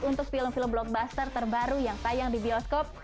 untuk film film blockbuster terbaru yang tayang di bioskop